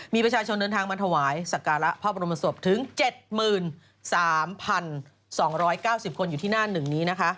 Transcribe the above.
มีประชาชนเดินทางมาถวายสักการะพระบรมศพถึง๗๓๒๙๐คนอยู่ที่หน้า๑นี้นะคะ